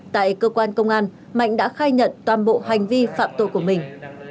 tại cơ quan công an mạnh đã khai nhận toàn bộ hành vi phạm tội của mình